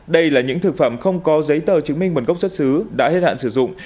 đây là những thực phẩm không có giấy tờ chứng minh nguồn gốc xuất xứ đã hết hạn sử dụng